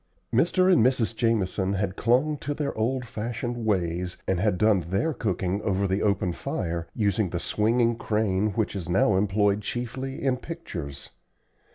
Mr. and Mrs. Jamison had clung to their old fashioned ways, and had done their cooking over the open fire, using the swinging crane which is now employed chiefly in pictures.